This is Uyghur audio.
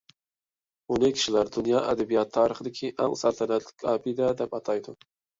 ئۇنى كىشىلەر دۇنيا ئەدەبىيات تارىخىدىكى «ئەڭ سەلتەنەتلىك ئابىدە» دەپ ئاتايدۇ.